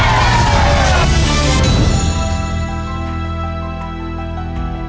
สวัสดีค่ะเร็วลูกเร็วเร็วเร็ว